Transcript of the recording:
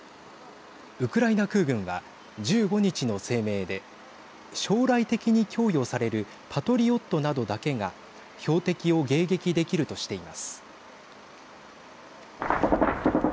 ウクライナ空軍は１５日の声明で将来的に供与されるパトリオットなどだけが標的を迎撃できるとしています。